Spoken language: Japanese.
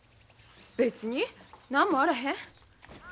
別に何もあらへん。